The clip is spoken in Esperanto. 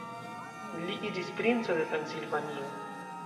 Li iĝis princo de Transilvanio.